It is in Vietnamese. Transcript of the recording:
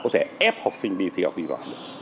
có thể ép học sinh đi thi học sinh giỏi nữa